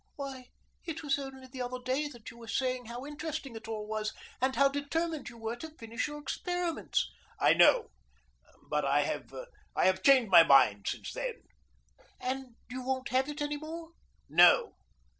"Why, it was only the other day that you were saying how interesting it all was, and how determined you were to finish your experiments." "I know, but I have changed my mind since then." "And you won't have it any more?" "No."